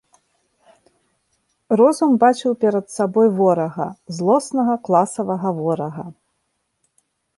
Розум бачыў перад сабой ворага, злоснага класавага ворага.